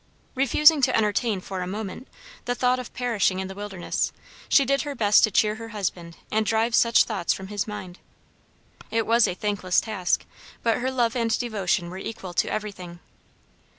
Refusing to entertain, for a moment, the thought of perishing in the wilderness, she did her best to cheer her husband and drive such thoughts from his mind. It was a thankless task, but her love and devotion were equal to everything.